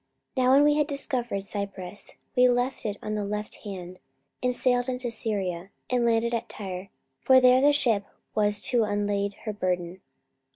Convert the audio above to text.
44:021:003 Now when we had discovered Cyprus, we left it on the left hand, and sailed into Syria, and landed at Tyre: for there the ship was to unlade her burden.